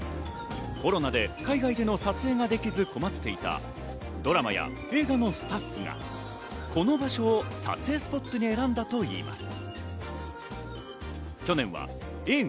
コロナで海外での撮影ができず困っていたドラマや映画のスタッフがこの場所を撮影スポットに選んだといいます。